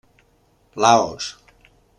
Laos.